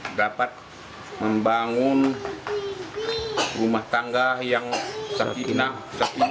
dan dapat membangun rumah tangga yang sepinak